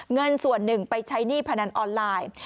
เงินส่วนหนึ่งไปใช้หนี้พนันออนไลน์